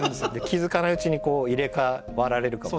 気付かないうちに入れ代わられるかもしれない。